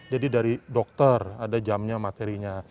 jadi dari dokter ada jamnya materinya